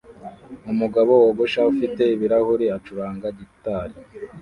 Umugabo wogosha ufite ibirahuri acuranga gitari